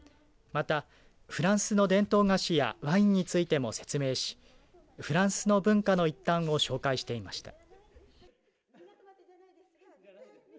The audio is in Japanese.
またフランスの伝統菓子やワインについても説明しフランスの文化の一端を紹介していました。